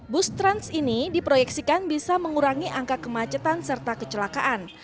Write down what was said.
bus trans ini diproyeksikan bisa mengurangi angka kemacetan serta kecelakaan